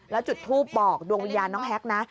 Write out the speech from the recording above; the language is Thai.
แล้วจุดทูปบอกดวงวิญญาณน้องแฮกนะ